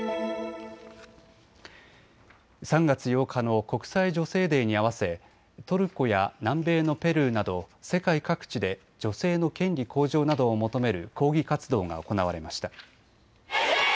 ３月８日の国際女性デーに合わせトルコや南米のペルーなど世界各地で女性の権利向上などを求める抗議活動が行われました。